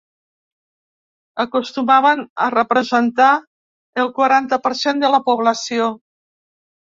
Acostumaven a representar el quaranta per cent -de la població-.